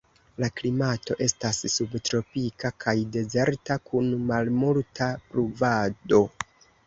La klimato estas subtropika kaj dezerta, kun malmulta pluvado.